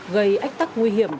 gây ách tắc nguy hiểm